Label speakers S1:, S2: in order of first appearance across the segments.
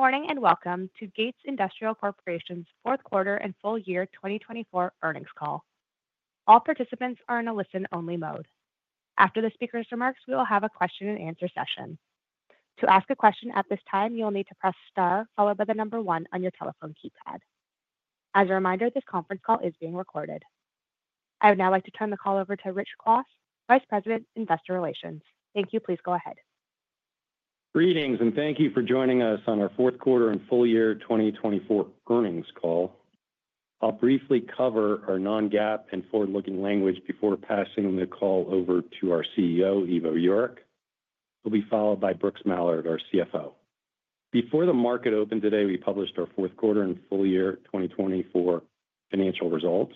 S1: Good morning and welcome to Gates Industrial Corporation's Q4 and full year 2024 Earnings Call. All participants are in a listen-only mode. After the speaker's remarks, we will have a Q&A session. To ask a question at this time, you'll need to press star followed by the number one on your telephone keypad. As a reminder, this conference call is being recorded. I would now like to turn the call over to Rich Kwas, Vice President, Investor Relations. Thank you. Please go ahead.
S2: Greetings, and thank you for joining us on our Q4 and full year 2024 Earnings Call. I'll briefly cover our non-GAAP and forward-looking language before passing the call over to our CEO, Ivo Jurek. He'll be followed by Brooks Mallard, our CFO. Before the market opened today, we published our Q4 and full year 2024 financial results.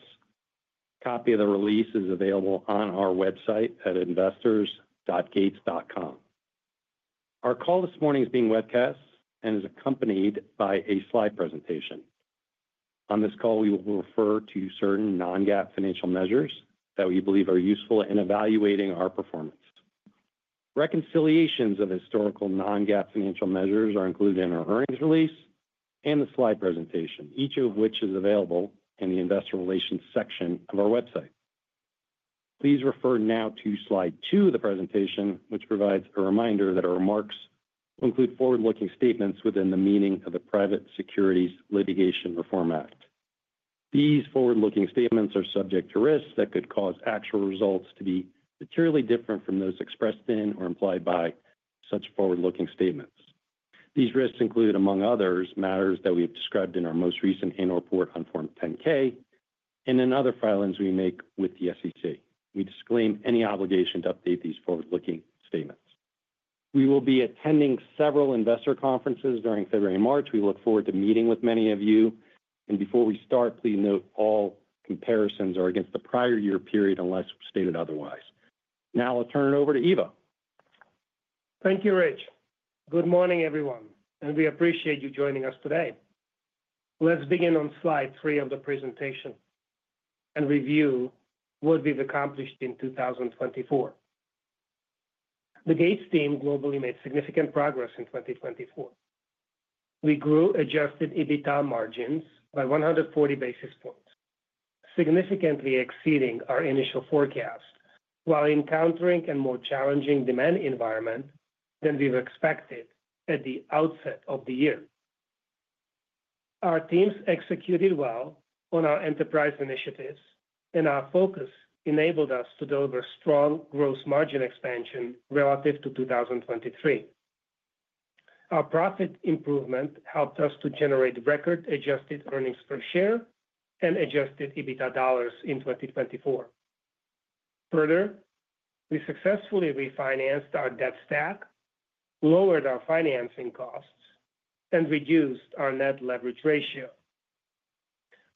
S2: A copy of the release is available on our website at investors.gates.com. Our call this morning is being webcast and is accompanied by a slide presentation. On this call, we will refer to certain non-GAAP financial measures that we believe are useful in evaluating our performance. Reconciliations of historical non-GAAP financial measures are included in our earnings release and the slide presentation, each of which is available in the investor relations section of our website. Please refer now to slide two of the presentation, which provides a reminder that our remarks will include forward-looking statements within the meaning of the Private Securities Litigation Reform Act. These forward-looking statements are subject to risks that could cause actual results to be materially different from those expressed in or implied by such forward-looking statements. These risks include, among others, matters that we have described in our most recent Annual Report on Form 10-K and in other filings we make with the SEC. We disclaim any obligation to update these forward-looking statements. We will be attending several investor conferences during February and March. We look forward to meeting with many of you, and before we start, please note all comparisons are against the prior year period unless stated otherwise. Now I'll turn it over to Ivo.
S3: Thank you, Rich. Good morning, everyone, and we appreciate you joining us today. Let's begin on slide three of the presentation and review what we've accomplished in 2024. The Gates team globally made significant progress in 2024. We grew adjusted EBITDA margins by 140 basis points, significantly exceeding our initial forecast while encountering a more challenging demand environment than we've expected at the outset of the year. Our teams executed well on our enterprise initiatives, and our focus enabled us to deliver strong gross margin expansion relative to 2023. Our profit improvement helped us to generate record-adjusted earnings per share and adjusted EBITDA dollars in 2024. Further, we successfully refinanced our debt stack, lowered our financing costs, and reduced our net leverage ratio.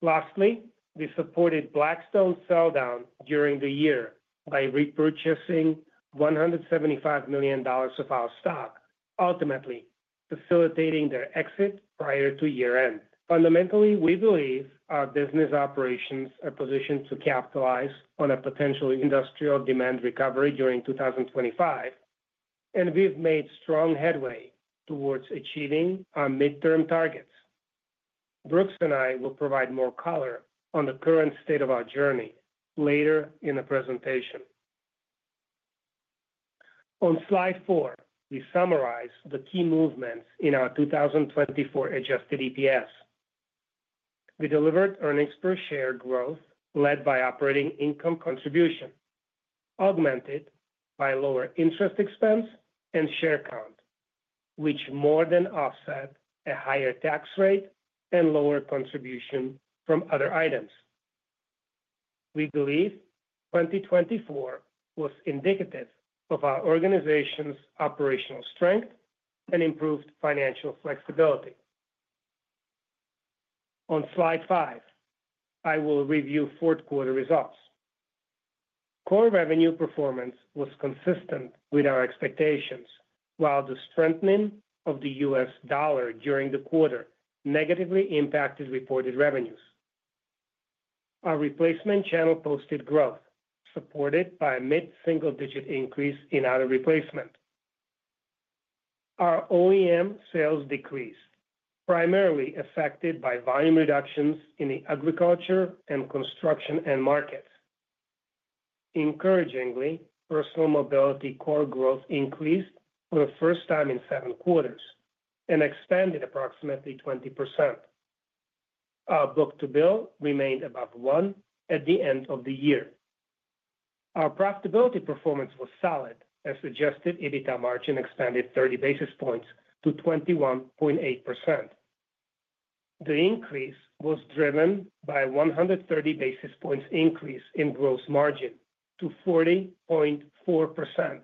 S3: Lastly, we supported Blackstone's sell-down during the year by repurchasing $175 million of our stock, ultimately facilitating their exit prior to year-end. Fundamentally, we believe our business operations are positioned to capitalize on a potential industrial demand recovery during 2025, and we've made strong headway towards achieving our midterm targets. Brooks and I will provide more color on the current state of our journey later in the presentation. On slide four, we summarize the key movements in our 2024 adjusted EPS. We delivered earnings per share growth led by operating income contribution, augmented by lower interest expense and share count, which more than offset a higher tax rate and lower contribution from other items. We believe 2024 was indicative of our organization's operational strength and improved financial flexibility. On slide five, I will review Q4 results. Core revenue performance was consistent with our expectations, while the strengthening of the U.S. dollar during the quarter negatively impacted reported revenues. Our replacement channel posted growth, supported by a mid-single-digit increase in aftermarket replacement. Our OEM sales decreased, primarily affected by volume reductions in the agriculture and construction end markets. Encouragingly, personal mobility core growth increased for the first time in seven quarters and expanded approximately 20%. Our book-to-bill remained above one at the end of the year. Our profitability performance was solid, as adjusted EBITDA margin expanded 30 basis points to 21.8%. The increase was driven by a 130 basis points increase in gross margin to 40.4%,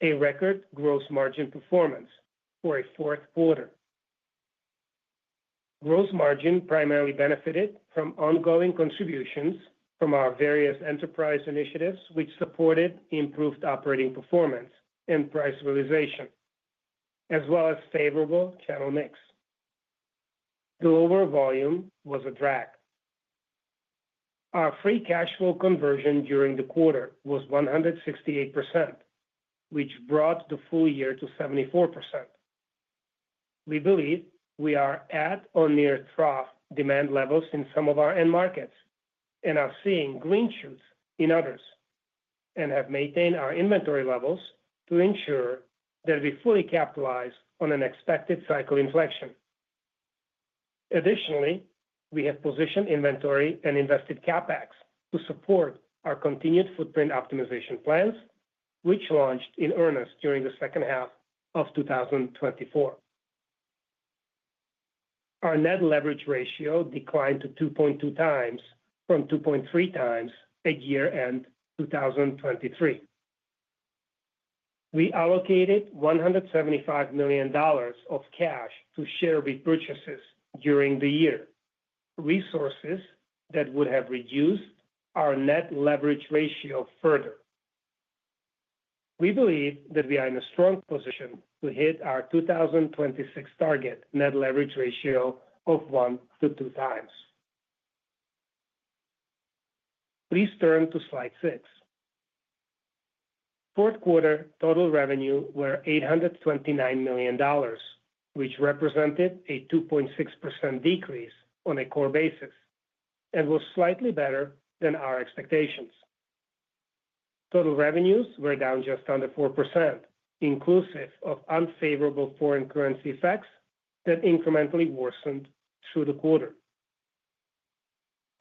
S3: a record gross margin performance for a Q4. Gross margin primarily benefited from ongoing contributions from our various enterprise initiatives, which supported improved operating performance and price realization, as well as favorable channel mix. The lower volume was a drag. Our free cash flow conversion during the quarter was 168%, which brought the full year to 74%. We believe we are at or near trough demand levels in some of our end markets and are seeing green shoots in others, and have maintained our inventory levels to ensure that we fully capitalize on an expected cycle inflection. Additionally, we have positioned inventory and invested CapEx to support our continued footprint optimization plans, which launched in earnest during the second half of 2024. Our net leverage ratio declined to 2.2 times from 2.3 times at year-end 2023. We allocated $175 million of cash to share repurchases during the year, resources that would have reduced our net leverage ratio further. We believe that we are in a strong position to hit our 2026 target net leverage ratio of one to two times. Please turn to slide six. Q4 total revenue was $829 million, which represented a 2.6% decrease on a core basis and was slightly better than our expectations. Total revenues were down just under 4%, inclusive of unfavorable foreign currency effects that incrementally worsened through the quarter.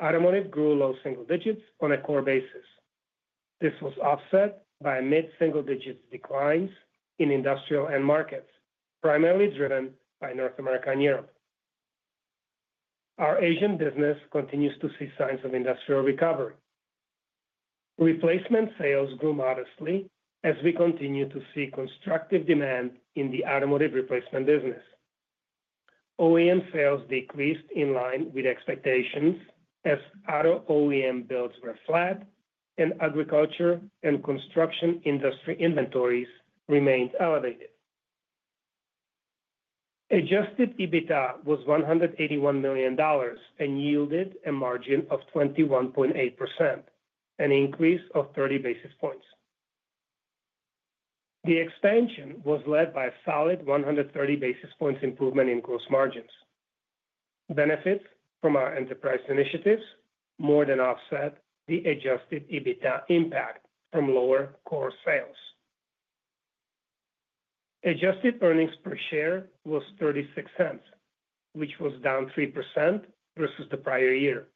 S3: Automotive grew low single digits on a core basis. This was offset by mid-single digit declines in industrial end markets, primarily driven by North America and Europe. Our Asian business continues to see signs of industrial recovery. Replacement sales grew modestly as we continue to see constructive demand in the automotive replacement business. OEM sales decreased in line with expectations as auto OEM builds were flat and agriculture and construction industry inventories remained elevated. Adjusted EBITDA was $181 million and yielded a margin of 21.8%, an increase of 30 basis points. The expansion was led by a solid 130 basis points improvement in gross margins. Benefits from our enterprise initiatives more than offset the adjusted EBITDA impact from lower core sales. Adjusted earnings per share was $0.36, which was down 3% versus the prior year.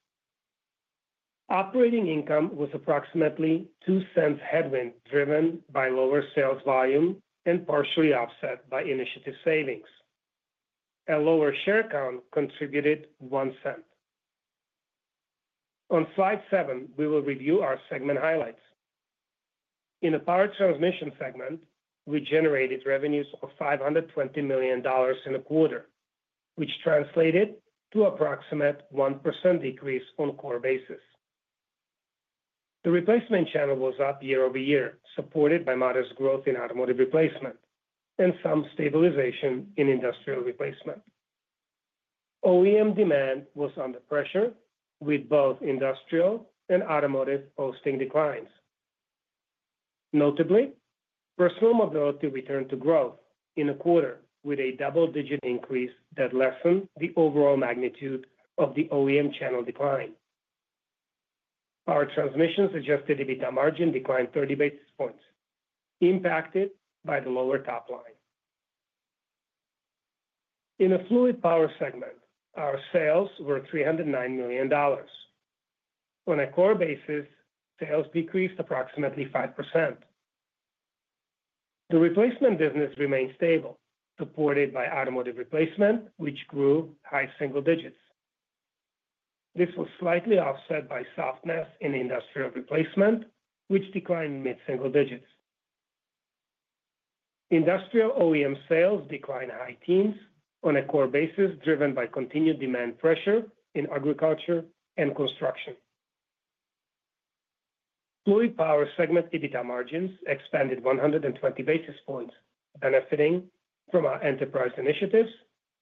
S3: Operating income was approximately $0.02 headwind driven by lower sales volume and partially offset by initiative savings. A lower share count contributed $0.01. On slide seven, we will review our segment highlights. In the power transmission segment, we generated revenues of $520 million in the quarter, which translated to an approximate 1% decrease on a core basis. The replacement channel was up year-over-year, supported by modest growth in automotive replacement and some stabilization in industrial replacement. OEM demand was under pressure, with both industrial and automotive posting declines. Notably, personal mobility returned to growth in the quarter with a double-digit increase that lessened the overall magnitude of the OEM channel decline. Power Transmission's adjusted EBITDA margin declined 30 basis points, impacted by the lower top line. In the Fluid Power segment, our sales were $309 million. On a core basis, sales decreased approximately 5%. The replacement business remained stable, supported by automotive replacement, which grew high single digits. This was slightly offset by softness in industrial replacement, which declined mid-single digits. Industrial OEM sales declined high teens on a core basis, driven by continued demand pressure in agriculture and construction. Fluid Power segment EBITDA margins expanded 120 basis points, benefiting from our enterprise initiatives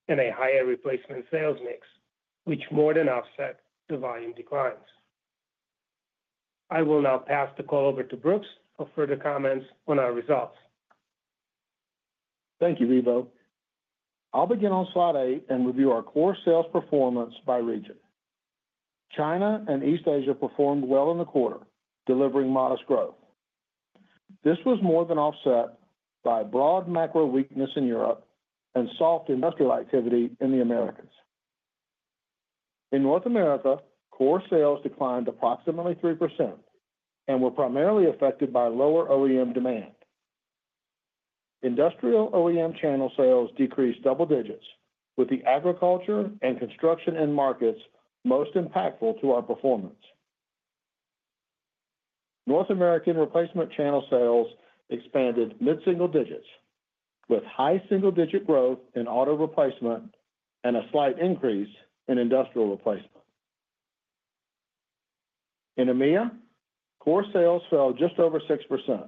S3: and a higher replacement sales mix, which more than offset the volume declines. I will now pass the call over to Brooks for further comments on our results.
S4: Thank you, Ivo. I'll begin on slide eight and review our core sales performance by region. China and East Asia performed well in the quarter, delivering modest growth. This was more than offset by broad macro weakness in Europe and soft industrial activity in the Americas. In North America, core sales declined approximately 3% and were primarily affected by lower OEM demand. Industrial OEM channel sales decreased double digits, with the agriculture and construction end markets most impactful to our performance. North American replacement channel sales expanded mid-single digits, with high single-digit growth in auto replacement and a slight increase in industrial replacement. In EMEA, core sales fell just over 6%.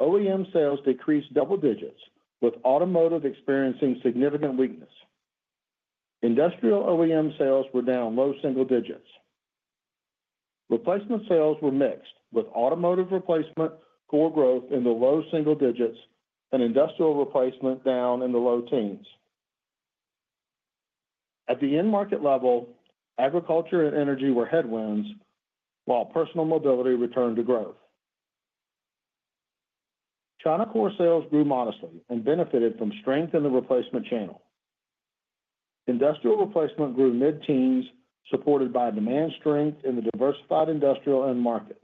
S4: OEM sales decreased double digits, with automotive experiencing significant weakness. Industrial OEM sales were down low single digits. Replacement sales were mixed, with automotive replacement core growth in the low single digits and industrial replacement down in the low teens. At the end market level, agriculture and energy were headwinds, while personal mobility returned to growth. China core sales grew modestly and benefited from strength in the replacement channel. Industrial replacement grew mid-teens, supported by demand strength in the diversified industrial end market.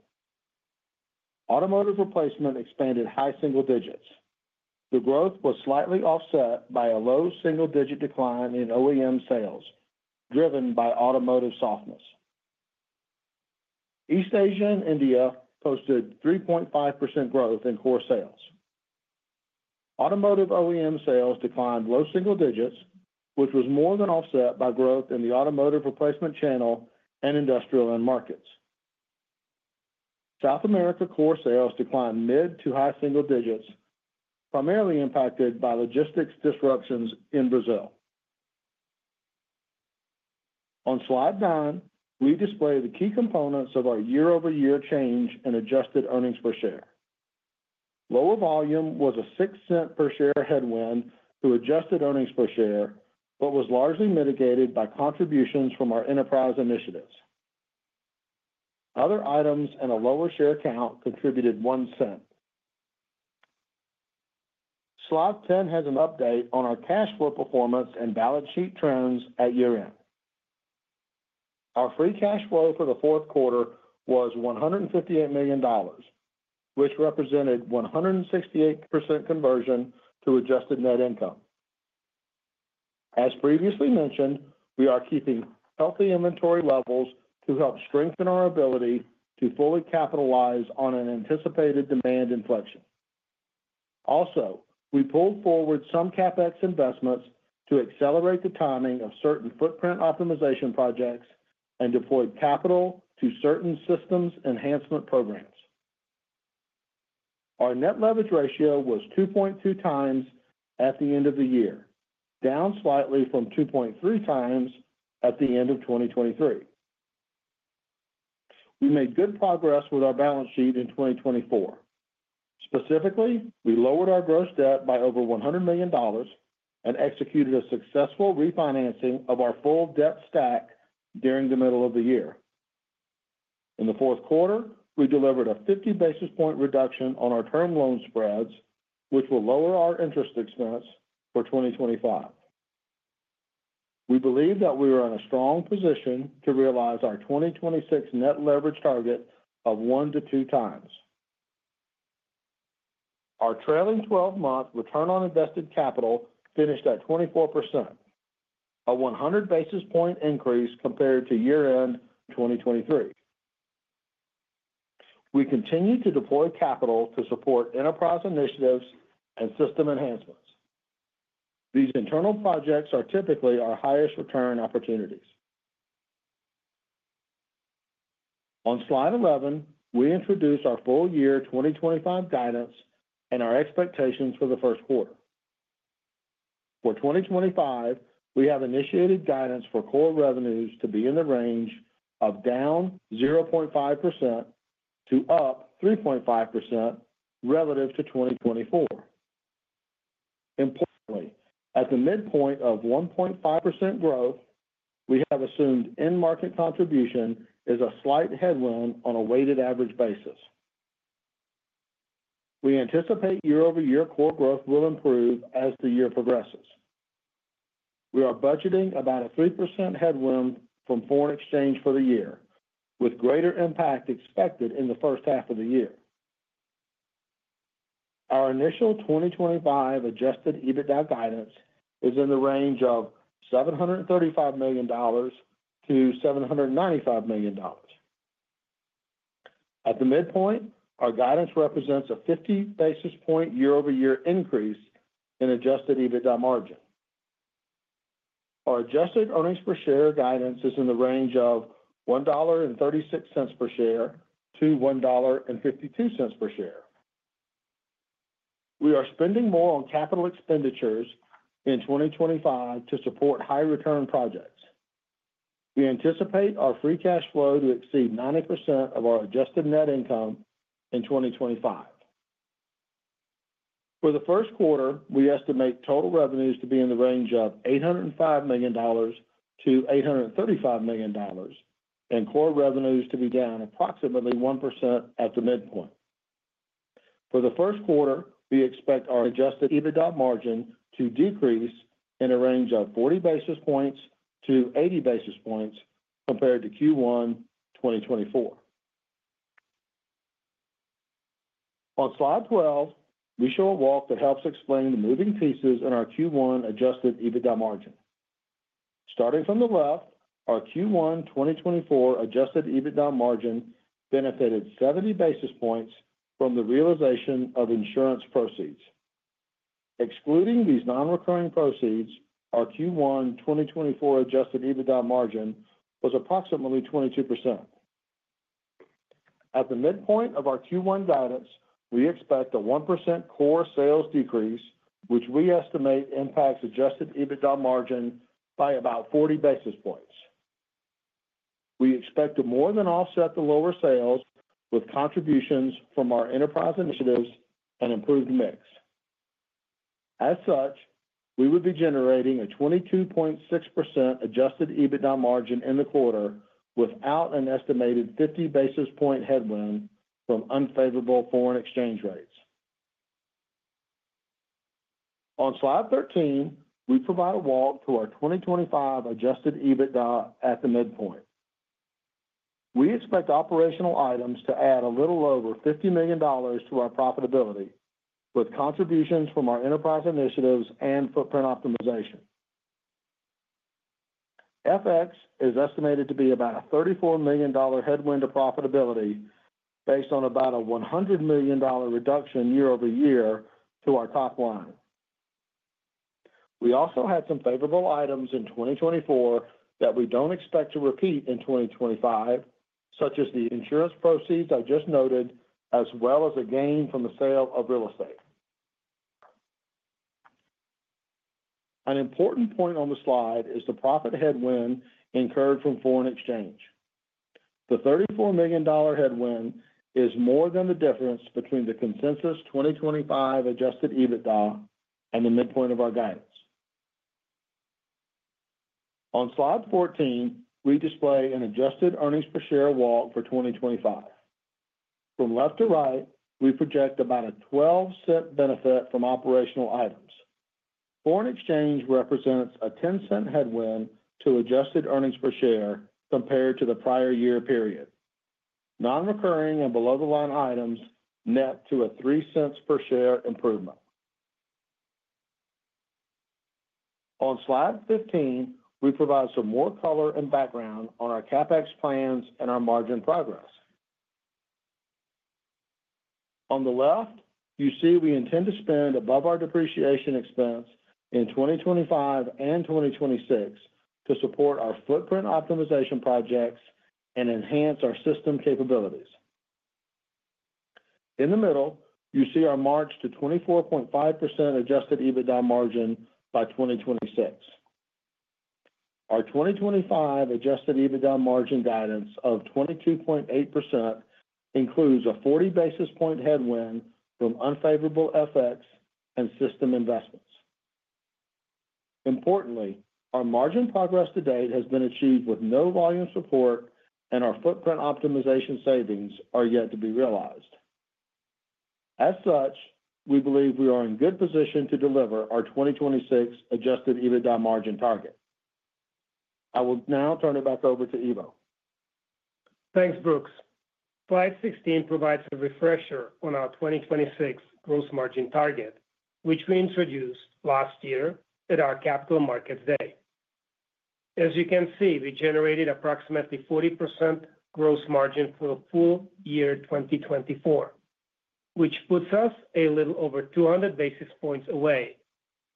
S4: Automotive replacement expanded high single digits. The growth was slightly offset by a low single-digit decline in OEM sales, driven by automotive softness. East Asia and India posted 3.5% growth in core sales. Automotive OEM sales declined low single digits, which was more than offset by growth in the automotive replacement channel and industrial end markets. South America core sales declined mid- to high-single digits, primarily impacted by logistics disruptions in Brazil. On slide nine, we display the key components of our year-over-year change in adjusted earnings per share. Lower volume was a six cents per share headwind to adjusted earnings per share, but was largely mitigated by contributions from our enterprise initiatives. Other items and a lower share count contributed one cent. Slide 10 has an update on our cash flow performance and balance sheet trends at year-end. Our free cash flow for the Q4 was $158 million, which represented 168% conversion to adjusted net income. As previously mentioned, we are keeping healthy inventory levels to help strengthen our ability to fully capitalize on an anticipated demand inflection. Also, we pulled forward some CapEx investments to accelerate the timing of certain footprint optimization projects and deployed capital to certain systems enhancement programs. Our net leverage ratio was 2.2 times at the end of the year, down slightly from 2.3 times at the end of 2023. We made good progress with our balance sheet in 2024. Specifically, we lowered our gross debt by over $100 million and executed a successful refinancing of our full debt stack during the middle of the year. In the Q4, we delivered a 50 basis point reduction on our term loan spreads, which will lower our interest expense for 2025. We believe that we are in a strong position to realize our 2026 net leverage target of one to two times. Our trailing 12-month return on invested capital finished at 24%, a 100 basis point increase compared to year-end 2023. We continue to deploy capital to support enterprise initiatives and system enhancements. These internal projects are typically our highest return opportunities. On slide 11, we introduced our full year 2025 guidance and our expectations for the Q1. For 2025, we have initiated guidance for core revenues to be in the range of down 0.5% to up 3.5% relative to 2024. Importantly, at the midpoint of 1.5% growth, we have assumed end market contribution is a slight headwind on a weighted average basis. We anticipate year-over-year core growth will improve as the year progresses. We are budgeting about a 3% headwind from foreign exchange for the year, with greater impact expected in the first half of the year. Our initial 2025 adjusted EBITDA guidance is in the range of $735-$795 million. At the midpoint, our guidance represents a 50 basis point year-over-year increase in adjusted EBITDA margin. Our adjusted earnings per share guidance is in the range of $1.36-$1.52 per share. We are spending more on capital expenditures in 2025 to support high-return projects. We anticipate our free cash flow to exceed 90% of our adjusted net income in 2025. For the Q1, we estimate total revenues to be in the range of $805-$835 million and core revenues to be down approximately 1% at the midpoint. For the Q1, we expect our adjusted EBITDA margin to decrease in a range of 40-80 basis points compared to Q1 2024. On slide 12, we show a walk that helps explain the moving pieces in our Q1 adjusted EBITDA margin. Starting from the left, our Q1 2024 adjusted EBITDA margin benefited 70 basis points from the realization of insurance proceeds. Excluding these non-recurring proceeds, our Q1 2024 adjusted EBITDA margin was approximately 22%. At the midpoint of our Q1 guidance, we expect a 1% core sales decrease, which we estimate impacts adjusted EBITDA margin by about 40 basis points. We expect to more than offset the lower sales with contributions from our enterprise initiatives and improved mix. As such, we would be generating a 22.6% adjusted EBITDA margin in the quarter without an estimated 50 basis points headwind from unfavorable foreign exchange rates. On slide 13, we provide a walk through our 2025 Adjusted EBITDA at the midpoint. We expect operational items to add a little over $50 million to our profitability with contributions from our enterprise initiatives and Footprint optimization. FX is estimated to be about a $34 million headwind to profitability based on about a $100 million reduction year-over-year to our top line. We also had some favorable items in 2024 that we don't expect to repeat in 2025, such as the insurance proceeds I just noted, as well as a gain from the sale of real estate. An important point on the slide is the profit headwind incurred from foreign exchange. The $34 million headwind is more than the difference between the consensus 2025 Adjusted EBITDA and the midpoint of our guidance. On slide 14, we display an Adjusted earnings per share walk for 2025. From left to right, we project about a $0.12 benefit from operational items. Foreign exchange represents a $0.10 headwind to adjusted earnings per share compared to the prior year period. Non-recurring and below-the-line items net to a $0.03 per share improvement. On slide 15, we provide some more color and background on our CapEx plans and our margin progress. On the left, you see we intend to spend above our depreciation expense in 2025 and 2026 to support our footprint optimization projects and enhance our system capabilities. In the middle, you see our march to 24.5% adjusted EBITDA margin by 2026. Our 2025 adjusted EBITDA margin guidance of 22.8% includes a 40 basis point headwind from unfavorable FX and system investments. Importantly, our margin progress to date has been achieved with no volume support, and our footprint optimization savings are yet to be realized. As such, we believe we are in good position to deliver our 2026 adjusted EBITDA margin target. I will now turn it back over to Ivo.
S3: Thanks, Brooks. Slide 16 provides a refresher on our 2026 gross margin target, which we introduced last year at our Capital Markets Day. As you can see, we generated approximately 40% gross margin for the full year 2024, which puts us a little over 200 basis points away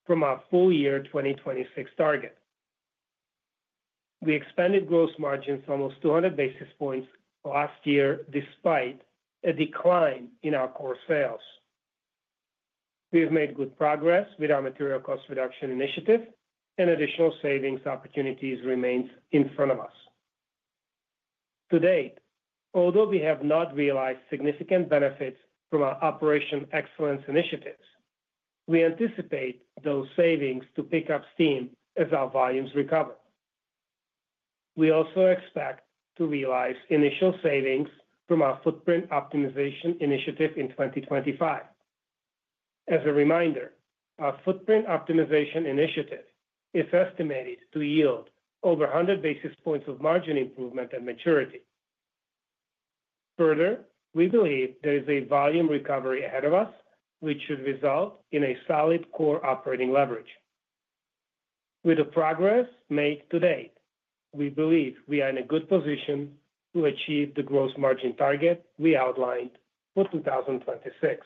S3: from our full year 2026 target. We expanded gross margins almost 200 basis points last year despite a decline in our core sales. We have made good progress with our material cost reduction initiative, and additional savings opportunities remain in front of us. To date, although we have not realized significant benefits from our operational excellence initiatives, we anticipate those savings to pick up steam as our volumes recover. We also expect to realize initial savings from our footprint optimization initiative in 2025. As a reminder, our footprint optimization initiative is estimated to yield over 100 basis points of margin improvement at maturity. Further, we believe there is a volume recovery ahead of us, which should result in a solid core operating leverage. With the progress made to date, we believe we are in a good position to achieve the gross margin target we outlined for 2026.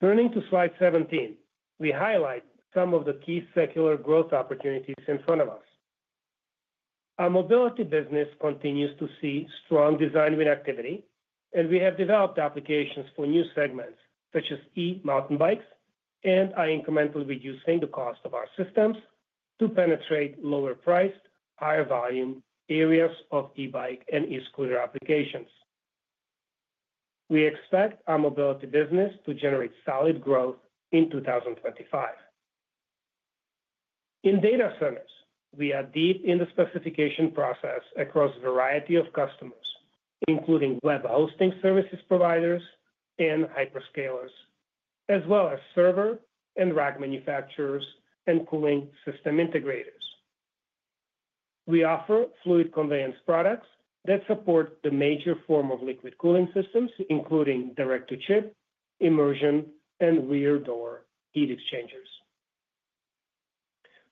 S3: Turning to slide 17, we highlight some of the key secular growth opportunities in front of us. Our mobility business continues to see strong design activity, and we have developed applications for new segments such as e-mountain bikes, and are incrementally reducing the cost of our systems to penetrate lower-priced, higher-volume areas of e-bike and e-scooter applications. We expect our mobility business to generate solid growth in 2025. In data centers, we are deep in the specification process across a variety of customers, including web hosting services providers and hyperscalers, as well as server and rack manufacturers and cooling system integrators. We offer fluid conveyance products that support the major form of liquid cooling systems, including direct-to-chip, immersion, and rear-door heat exchangers.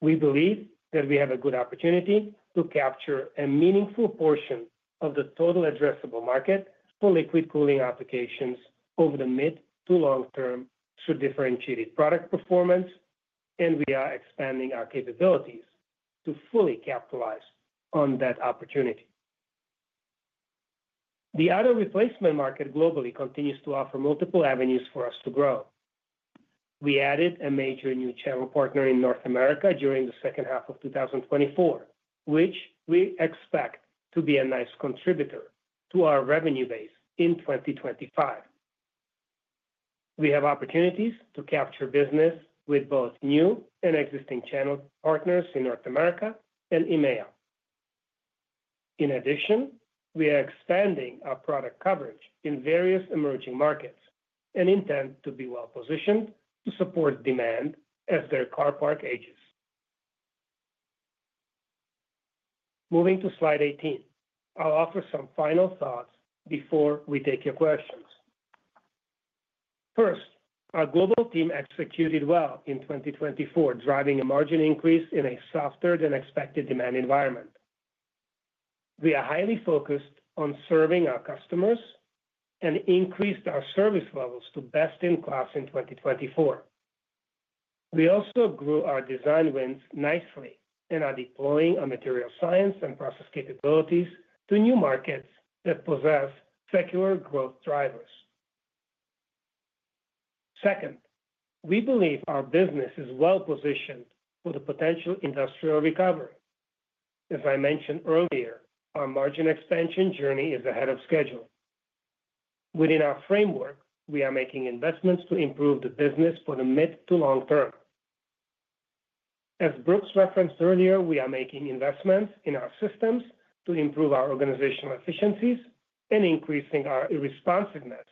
S3: We believe that we have a good opportunity to capture a meaningful portion of the total addressable market for liquid cooling applications over the mid to long term through differentiated product performance, and we are expanding our capabilities to fully capitalize on that opportunity. The auto replacement market globally continues to offer multiple avenues for us to grow. We added a major new channel partner in North America during the second half of 2024, which we expect to be a nice contributor to our revenue base in 2025. We have opportunities to capture business with both new and existing channel partners in North America and EMEA. In addition, we are expanding our product coverage in various emerging markets and intend to be well-positioned to support demand as their car park ages. Moving to slide 18, I'll offer some final thoughts before we take your questions. First, our global team executed well in 2024, driving a margin increase in a softer-than-expected demand environment. We are highly focused on serving our customers and increased our service levels to best-in-class in 2024. We also grew our design wins nicely and are deploying our material science and process capabilities to new markets that possess secular growth drivers. Second, we believe our business is well-positioned for the potential industrial recovery. As I mentioned earlier, our margin expansion journey is ahead of schedule. Within our framework, we are making investments to improve the business for the mid to long term. As Brooks referenced earlier, we are making investments in our systems to improve our organizational efficiencies and increasing our responsiveness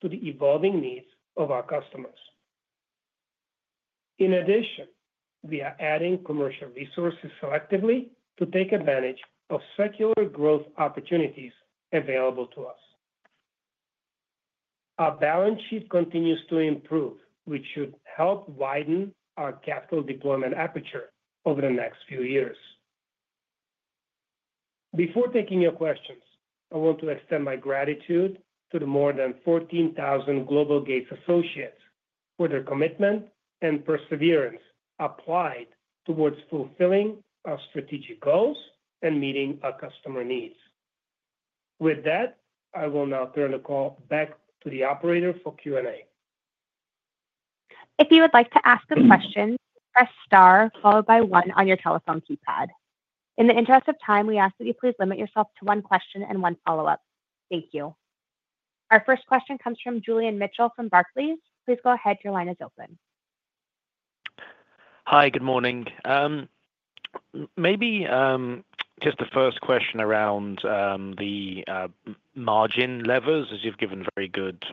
S3: to the evolving needs of our customers. In addition, we are adding commercial resources selectively to take advantage of secular growth opportunities available to us. Our balance sheet continues to improve, which should help widen our capital deployment aperture over the next few years. Before taking your questions, I want to extend my gratitude to the more than 14,000 Global Gates associates for their commitment and perseverance applied towards fulfilling our strategic goals and meeting our customer needs. With that, I will now turn the call back to the operator for Q&A.
S1: If you would like to ask a question, press star followed by one on your telephone keypad. In the interest of time, we ask that you please limit yourself to one question and one follow-up. Thank you. Our first question comes from Julian Mitchell from Barclays. Please go ahead. Your line is open.
S5: Hi, good morning. Maybe just the first question around the margin levers, as you've given very good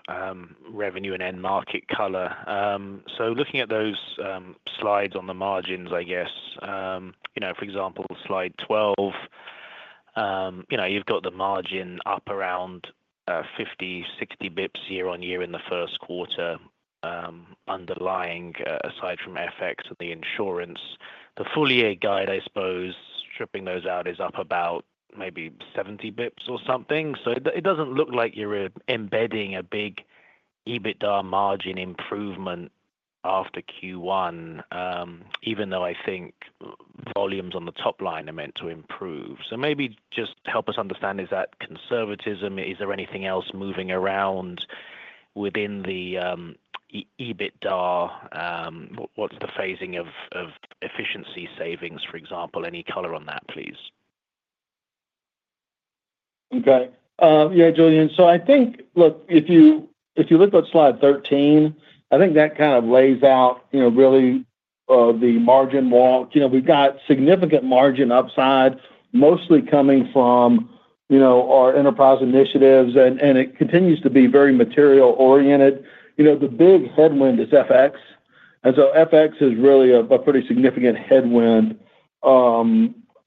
S5: revenue and end market color. So looking at those slides on the margins, I guess, for example, slide 12, you've got the margin up around 50, 60 basis points year-on-year in the Q1 underlying, aside from FX and the insurance. The full year guide, I suppose, stripping those out, is up about maybe 70 basis points or something. So it doesn't look like you're embedding a big EBITDA margin improvement after Q1, even though I think volumes on the top line are meant to improve. So maybe just help us understand, is that conservatism? Is there anything else moving around within the EBITDA? What's the phasing of efficiency savings, for example? Any color on that, please?
S4: Okay. Yeah, Julian. So I think, look, if you look at slide 13, I think that kind of lays out really the margin walk. We've got significant margin upside, mostly coming from our enterprise initiatives, and it continues to be very material-oriented. The big headwind is FX. And so FX is really a pretty significant headwind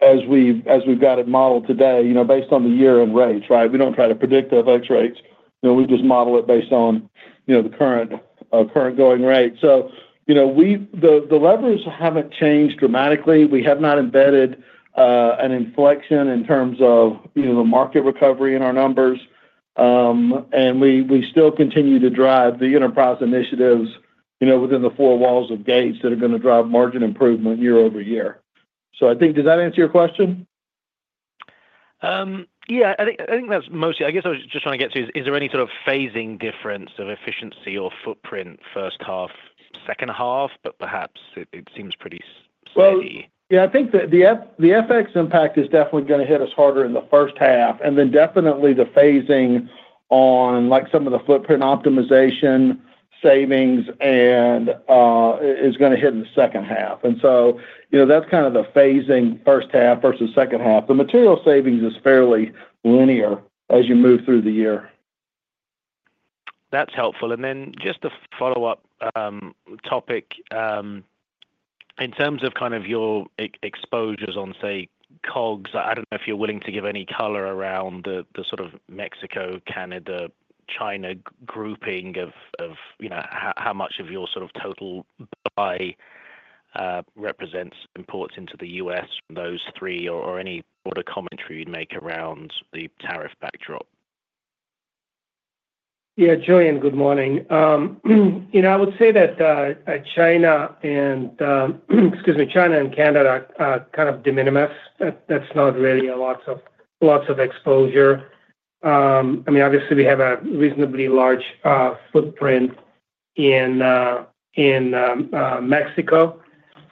S4: as we've got it modeled today based on the year-end rates, right? We don't try to predict the FX rates. We just model it based on the current going rate. So the levers haven't changed dramatically. We have not embedded an inflection in terms of the market recovery in our numbers. And we still continue to drive the enterprise initiatives within the four walls of Gates that are going to drive margin improvement year-over-year. So I think, does that answer your question?
S5: Yeah. I think that's mostly, I guess I was just trying to get to, is there any sort of phasing difference of efficiency or footprint first half, second half? But perhaps it seems pretty steady?
S4: Yeah, I think the FX impact is definitely going to hit us harder in the first half. Then definitely the phasing on some of the footprint optimization savings is going to hit in the second half. That's kind of the phasing first half versus second half. The material savings is fairly linear as you move through the year.
S5: That's helpful. And then just a follow-up topic. In terms of kind of your exposures on, say, COGS, I don't know if you're willing to give any color around the sort of Mexico, Canada, China grouping of how much of your sort of total buy represents imports into the U.S. from those three, or any broader commentary you'd make around the tariff backdrop?
S4: Yeah, Julian, good morning. I would say that China and, excuse me, China and Canada are kind of de minimis. That's not really a lot of exposure. I mean, obviously, we have a reasonably large footprint in Mexico.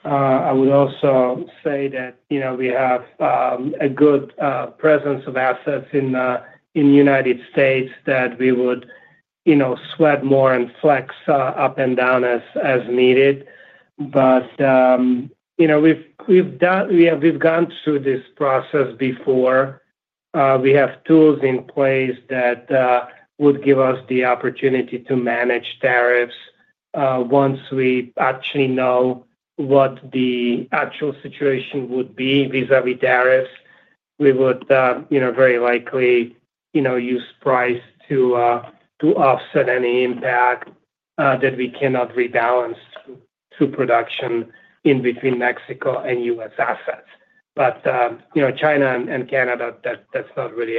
S4: I would also say that we have a good presence of assets in the United States that we would sweat more and flex up and down as needed. But we've gone through this process before. We have tools in place that would give us the opportunity to manage tariffs once we actually know what the actual situation would be vis-à-vis tariffs. We would very likely use price to offset any impact that we cannot rebalance to production in between Mexico and US assets. But China and Canada, that's not really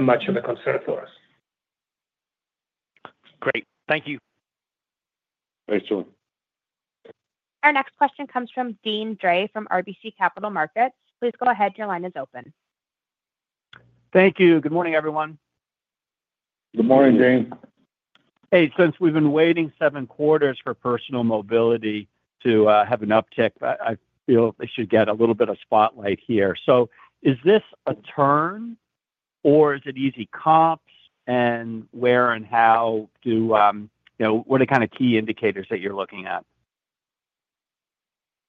S4: much of a concern for us.
S5: Great. Thank you.
S4: Thanks, Julian.
S1: Our next question comes from Dean Dray from RBC Capital Markets. Please go ahead. Your line is open.
S6: Thank you. Good morning, everyone.
S3: Good morning, Dean.
S4: Hey, since we've been waiting seven quarters for personal mobility to have an uptick, I feel they should get a little bit of spotlight here. So is this a turn, or is it easy comps, and where and how do what are the kind of key indicators that you're looking at?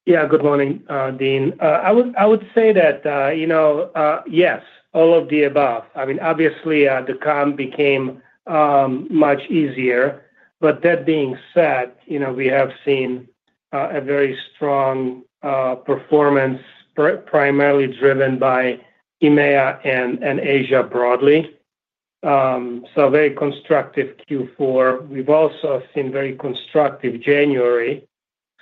S3: Yeah, good morning, Dean. I would say that, yes, all of the above. I mean, obviously, the comp became much easier. But that being said, we have seen a very strong performance primarily driven by EMEA and Asia broadly. So very constructive Q4. We've also seen very constructive January.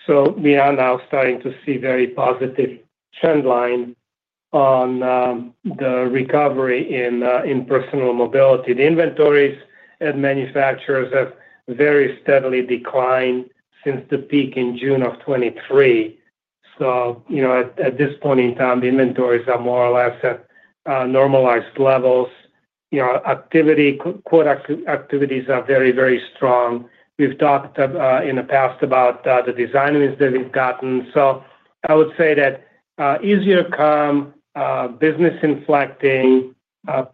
S3: So we are now starting to see very positive trend lines on the recovery in personal mobility. The inventories at manufacturers have very steadily declined since the peak in June of 2023. So at this point in time, the inventories are more or less at normalized levels. Activity, quote activities are very, very strong. We've talked in the past about the design wins that we've gotten. So I would say that easier comp, business inflecting,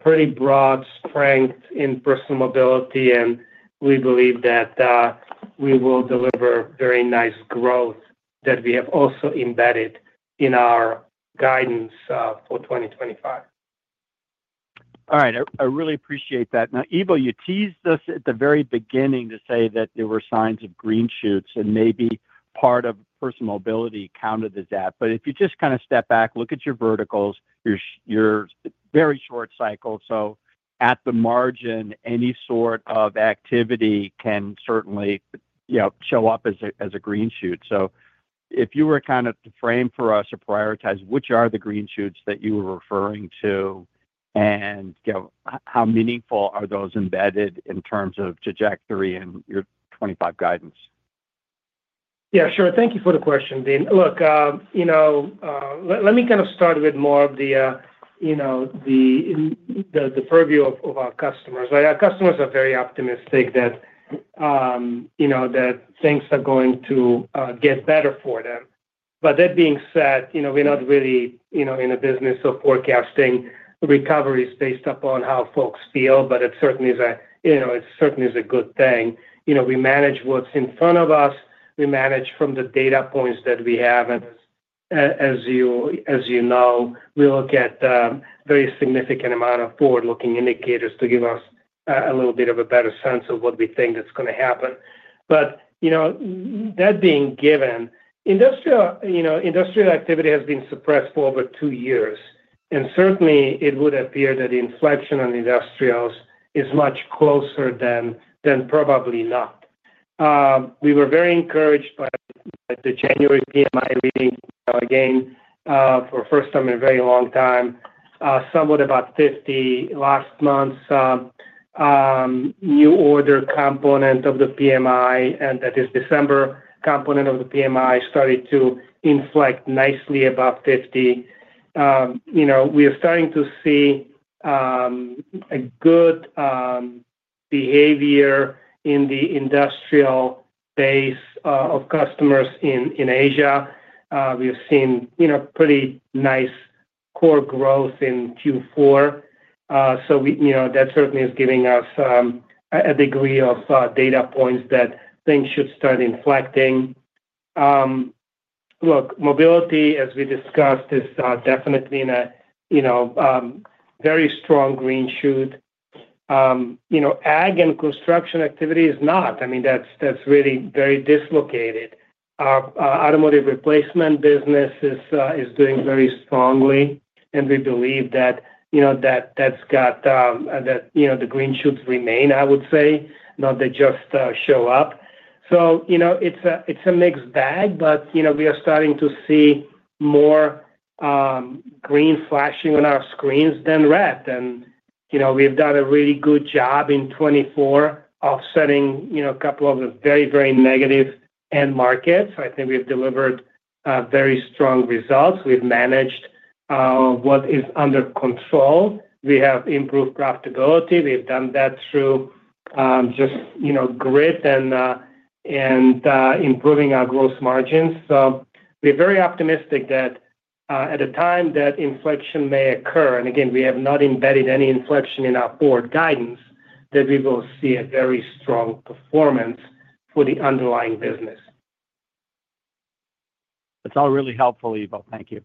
S3: pretty broad strength in personal mobility, and we believe that we will deliver very nice growth that we have also embedded in our guidance for 2025.
S6: All right. I really appreciate that. Now, Ivo, you teased us at the very beginning to say that there were signs of green shoots, and maybe part of personal mobility counted as that. But if you just kind of step back, look at your verticals, you're very short cycle. So at the margin, any sort of activity can certainly show up as a green shoot. So if you were kind of to frame for us or prioritize, which are the green shoots that you were referring to, and how meaningful are those embedded in terms of trajectory in your 2025 guidance?
S3: Yeah, sure. Thank you for the question, Dean. Look, let me kind of start with more of the purview of our customers. Our customers are very optimistic that things are going to get better for them. But that being said, we're not really in a business of forecasting recoveries based upon how folks feel, but it certainly is a good thing. We manage what's in front of us. We manage from the data points that we have. And as you know, we look at a very significant amount of forward-looking indicators to give us a little bit of a better sense of what we think that's going to happen. But that being given, industrial activity has been suppressed for over two years. And certainly, it would appear that the inflection on industrials is much closer than probably not. We were very encouraged by the January PMI reading again for the first time in a very long time, somewhat about 50 last month. New order component of the PMI, and that is December component of the PMI, started to inflect nicely above 50. We are starting to see good behavior in the industrial base of customers in Asia. We have seen pretty nice core growth in Q4. So that certainly is giving us a degree of data points that things should start inflecting. Look, mobility, as we discussed, is definitely in a very strong green shoot. Ag and construction activity is not. I mean, that's really very dislocated. Automotive replacement business is doing very strongly. And we believe that that's got the green shoots remain, I would say, not that just show up. So it's a mixed bag, but we are starting to see more green flashing on our screens than red. And we've done a really good job in 2024 offsetting a couple of very, very negative end markets. I think we have delivered very strong results. We've managed what is under control. We have improved profitability. We've done that through just grit and improving our gross margins. So we're very optimistic that at a time that inflection may occur, and again, we have not embedded any inflection in our forward guidance, that we will see a very strong performance for the underlying business.
S6: That's all really helpful, Ivo. Thank you.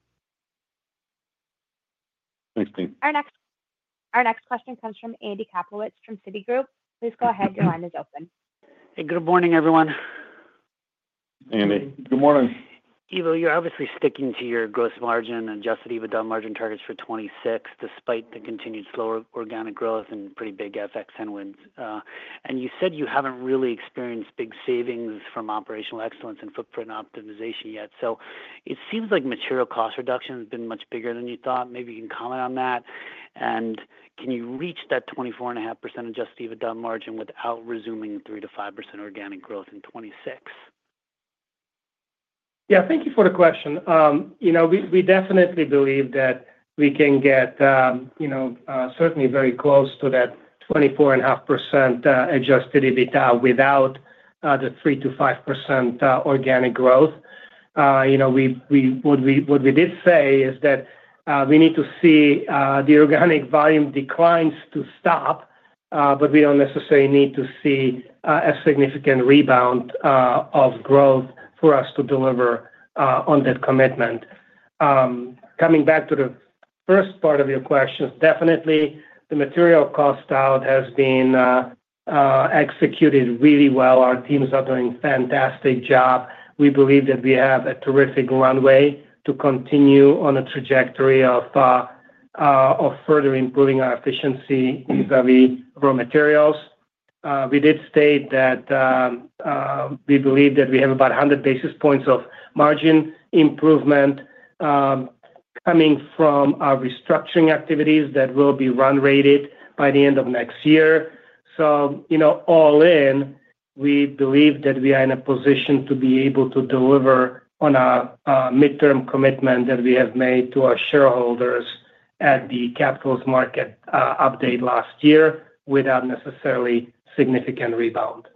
S3: Thanks, Dean.
S1: Our next question comes from Andy Kaplowitz from Citigroup. Please go ahead. Your line is open.
S7: Hey, good morning, everyone.
S3: Andy, good morning.
S7: Ivo, you're obviously sticking to your gross margin and adjusted margin targets for 2026 despite the continued slower organic growth and pretty big FX headwinds, and you said you haven't really experienced big savings from operational excellence and footprint optimization yet, so it seems like material cost reduction has been much bigger than you thought. Maybe you can comment on that. Can you reach that 24.5% adjusted EBITDA margin without resuming 3%-5% organic growth in 2026?
S3: Yeah, thank you for the question. We definitely believe that we can get certainly very close to that 24.5% Adjusted EBITDA without the 3%-5% organic growth. What we did say is that we need to see the organic volume declines to stop, but we don't necessarily need to see a significant rebound of growth for us to deliver on that commitment. Coming back to the first part of your question, definitely the material cost out has been executed really well. Our teams are doing a fantastic job. We believe that we have a terrific runway to continue on a trajectory of further improving our efficiency vis-à-vis raw materials. We did state that we believe that we have about 100 basis points of margin improvement coming from our restructuring activities that will be run rated by the end of next year. So all in, we believe that we are in a position to be able to deliver on our midterm commitment that we have made to our shareholders at the capital markets update last year without necessarily significant rebound.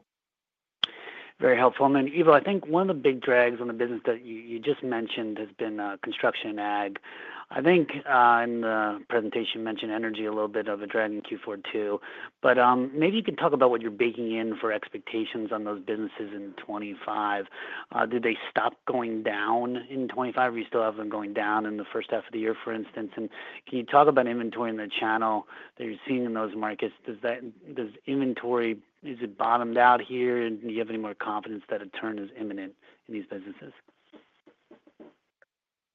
S7: Very helpful. And then, Ivo, I think one of the big drags on the business that you just mentioned has been construction and ag. I think in the presentation, you mentioned energy a little bit of a drag in Q4 too. But maybe you can talk about what you're baking in for expectations on those businesses in 2025. Did they stop going down in 2025? Are you still having them going down in the first half of the year, for instance? And can you talk about inventory in the channel that you're seeing in those markets? Does inventory, is it bottomed out here? And do you have any more confidence that a turn is imminent in these businesses?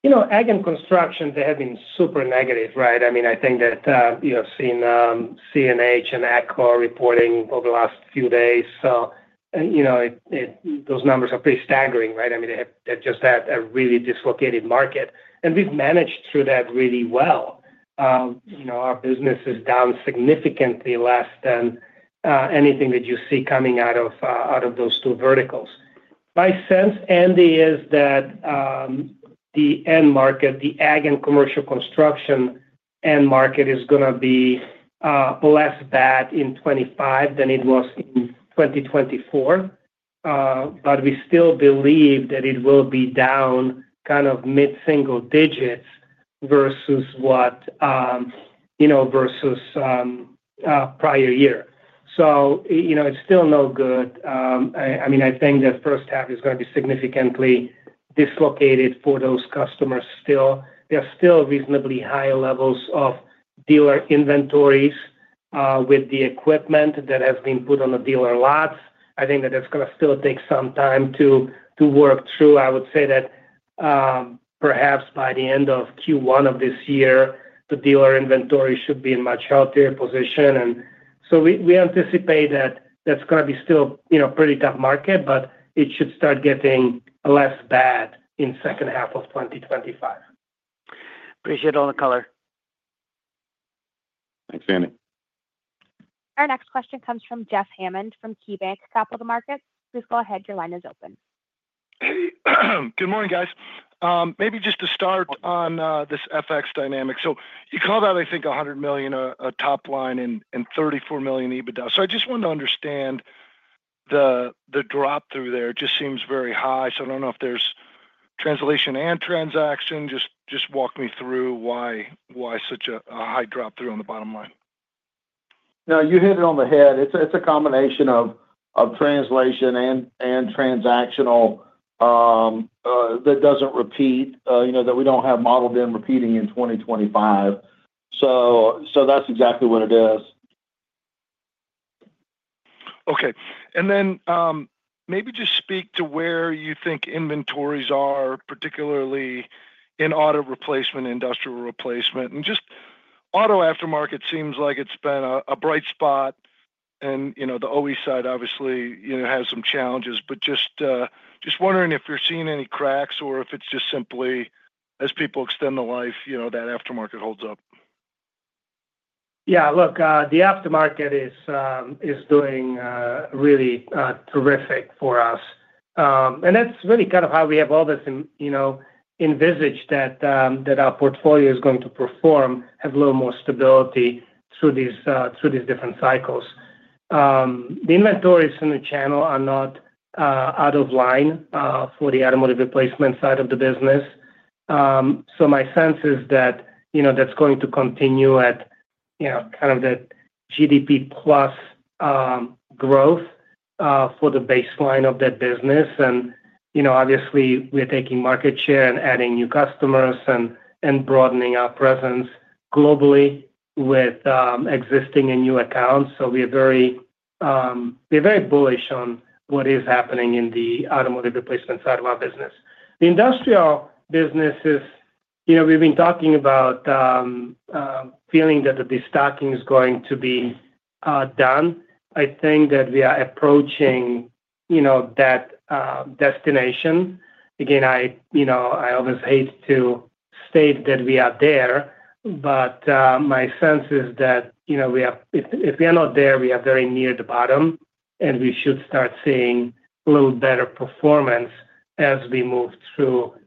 S3: Ag and construction, they have been super negative, right? I mean, I think that you have seen CNH and AGCO reporting over the last few days. So those numbers are pretty staggering, right? I mean, they just had a really dislocated market. And we've managed through that really well. Our business is down significantly less than anything that you see coming out of those two verticals. My sense, Andy, is that the end market, the ag and construction end market is going to be less bad in 2025 than it was in 2024. But we still believe that it will be down kind of mid-single digits versus prior year. So it's still no good. I mean, I think that first half is going to be significantly dislocated for those customers still. There are still reasonably high levels of dealer inventories with the equipment that has been put on the dealer lots. I think that it's going to still take some time to work through. I would say that perhaps by the end of Q1 of this year, the dealer inventory should be in a much healthier position. And so we anticipate that that's going to be still a pretty tough market, but it should start getting less bad in the second half of 2025.
S7: Appreciate all the color.
S3: Thanks, Andy.
S1: Our next question comes from Jeff Hammond from KeyBanc Capital Markets. Please go ahead. Your line is open.
S8: Good morning, guys. Maybe just to start on this FX dynamic. So you call that, I think, $100 million a top line and $34 million EBITDA. So I just want to understand the drop through there. It just seems very high. So I don't know if there's translation and transaction. Just walk me through why such a high drop through on the bottom line.
S3: No, you hit it on the head. It's a combination of translation and transactional that doesn't repeat, that we don't have modeled in repeating in 2025. So that's exactly what it is.
S8: Okay. And then maybe just speak to where you think inventories are, particularly in auto replacement, industrial replacement. And just auto aftermarket seems like it's been a bright spot. And the OE side, obviously, has some challenges. But just wondering if you're seeing any cracks or if it's just simply, as people extend the life, that aftermarket holds up?
S3: Yeah. Look, the aftermarket is doing really terrific for us. And that's really kind of how we have always envisioned that our portfolio is going to perform, have a little more stability through these different cycles. The inventories in the channel are not out of line for the automotive replacement side of the business. So my sense is that that's going to continue at kind of that GDP plus growth for the baseline of that business. And obviously, we're taking market share and adding new customers and broadening our presence globally with existing and new accounts. So we're very bullish on what is happening in the automotive replacement side of our business. The industrial businesses, we've been talking about feeling that the destocking is going to be done. I think that we are approaching that destination. Again, I always hate to state that we are there, but my sense is that if we are not there, we are very near the bottom, and we should start seeing a little better performance as we move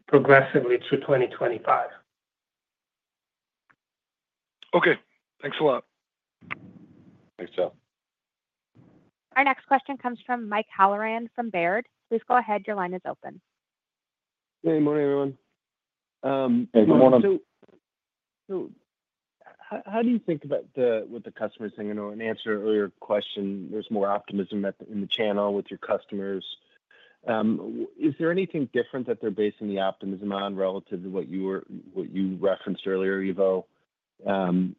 S3: progressively through 2025.
S8: Okay. Thanks a lot.
S3: Thanks, Joe.
S1: Our next question comes from Mike Halloran from Baird. Please go ahead. Your line is open.
S9: Hey, morning, everyone.
S3: Hey, good morning.
S9: How do you think about what the customers think? In answer to earlier question, there's more optimism in the channel with your customers. Is there anything different that they're basing the optimism on relative to what you referenced earlier, Ivo, and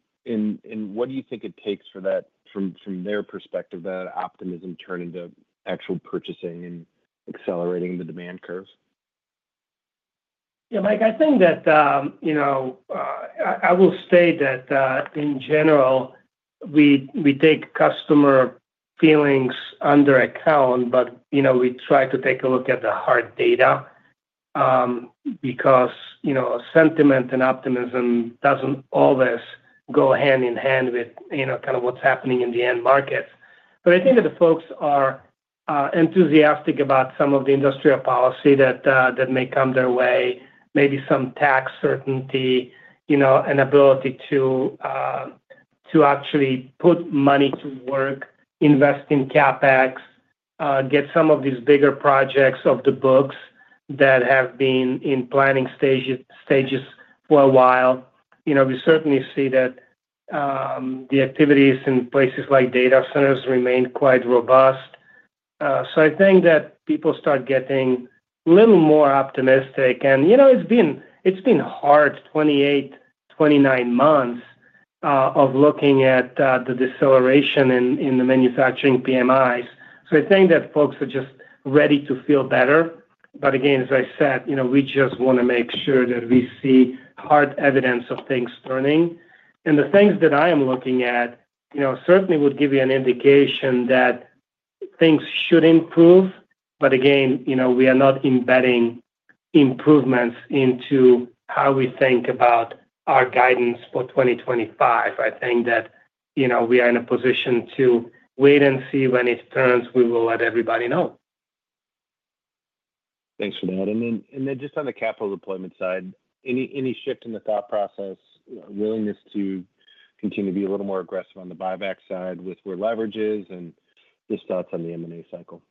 S9: what do you think it takes for that, from their perspective, that optimism to turn into actual purchasing and accelerating the demand curve?
S3: Yeah, Mike, I think that I will state that, in general, we take customer feelings into account, but we try to take a look at the hard data because sentiment and optimism doesn't always go hand in hand with kind of what's happening in the end markets. But I think that the folks are enthusiastic about some of the industrial policy that may come their way, maybe some tax certainty and ability to actually put money to work, invest in CapEx, get some of these bigger projects off the books that have been in planning stages for a while. We certainly see that the activities in places like data centers remain quite robust. So I think that people start getting a little more optimistic. And it's been hard, 28-29 months of looking at the deceleration in the manufacturing PMIs. So I think that folks are just ready to feel better. But again, as I said, we just want to make sure that we see hard evidence of things turning. And the things that I am looking at certainly would give you an indication that things should improve. But again, we are not embedding improvements into how we think about our guidance for 2025. I think that we are in a position to wait and see when it turns. We will let everybody know.
S9: Thanks for that. And then just on the capital deployment side, any shift in the thought process, willingness to continue to be a little more aggressive on the buyback side with where leverage is, and just thoughts on the M&A cycle?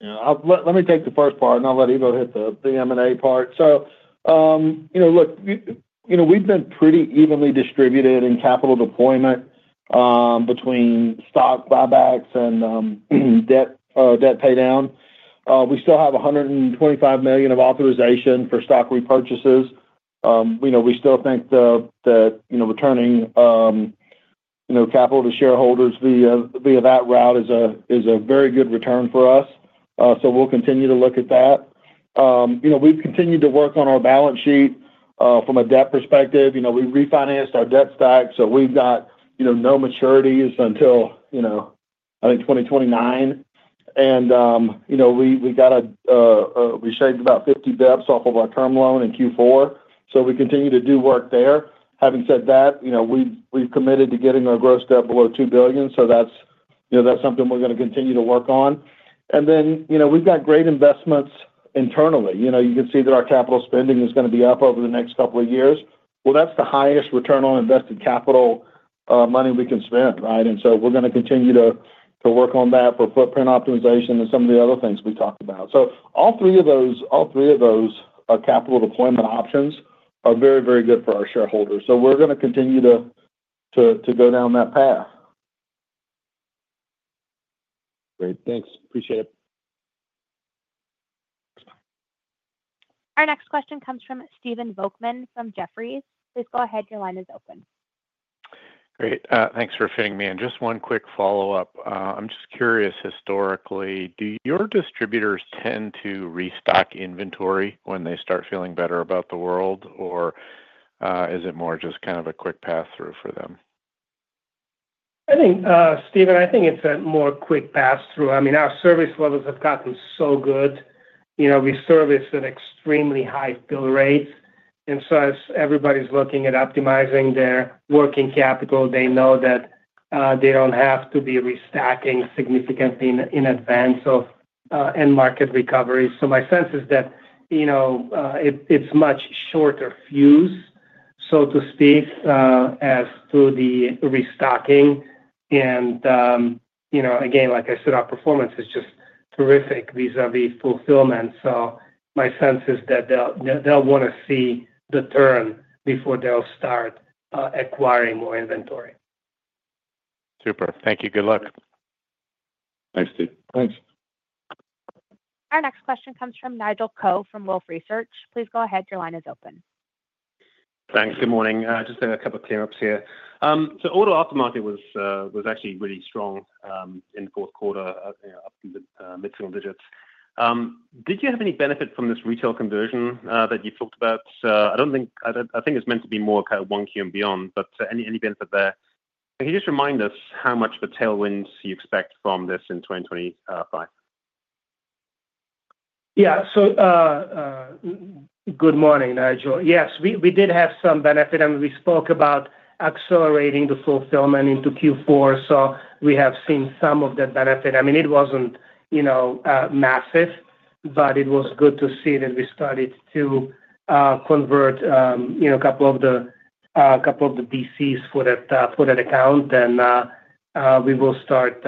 S4: Let me take the first part, and I'll let Ivo hit the M&A part. So look, we've been pretty evenly distributed in capital deployment between stock buybacks and debt paydown. We still have $125 million of authorization for stock repurchases. We still think that returning capital to shareholders via that route is a very good return for us. So we'll continue to look at that. We've continued to work on our balance sheet from a debt perspective. We refinanced our debt stack, so we've got no maturities until, I think, 2029. And we shaved about 50 basis points off of our term loan in Q4. So we continue to do work there. Having said that, we've committed to getting our gross debt below $2 billion. So that's something we're going to continue to work on. And then we've got great investments internally. You can see that our capital spending is going to be up over the next couple of years. Well, that's the highest return on invested capital money we can spend, right? And so we're going to continue to work on that for footprint optimization and some of the other things we talked about. So all three of those are capital deployment options, are very, very good for our shareholders. So we're going to continue to go down that path.
S9: Great. Thanks. Appreciate it.
S1: Our next question comes from Stephen Volkmann from Jefferies. Please go ahead. Your line is open.
S10: Great. Thanks for fitting me in. Just one quick follow-up. I'm just curious, historically, do your distributors tend to restock inventory when they start feeling better about the world, or is it more just kind of a quick pass-through for them?
S3: I think, Stephen, I think it's a more quick pass-through. I mean, our service levels have gotten so good. We service at extremely high fill rates. And so as everybody's looking at optimizing their working capital, they know that they don't have to be restocking significantly in advance of end market recovery. So my sense is that it's much shorter fuse, so to speak, as to the restocking. And again, like I said, our performance is just terrific vis-à-vis fulfillment. So my sense is that they'll want to see the turn before they'll start acquiring more inventory.
S10: Super. Thank you. Good luck.
S3: Thanks, Steve.
S10: Thanks.
S1: Our next question comes from Nigel Coe from Wolfe Research. Please go ahead. Your line is open.
S11: Thanks. Good morning. Just a couple of cleanups here. So auto aftermarket was actually really strong in the Q4, up in the mid-single digits%. Did you have any benefit from this retail conversion that you've talked about? I think it's meant to be more kind of 1Q and beyond, but any benefit there? Can you just remind us how much of a tailwind you expect from this in 2025?
S3: Yeah. So good morning, Nigel. Yes, we did have some benefit. I mean, we spoke about accelerating the fulfillment into Q4. So we have seen some of that benefit. I mean, it wasn't massive, but it was good to see that we started to convert a couple of the DCs for that account. And we will start